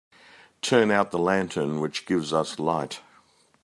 Turn out the lantern which gives us light.